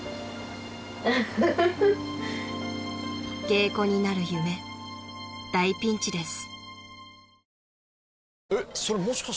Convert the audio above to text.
［芸妓になる夢大ピンチです］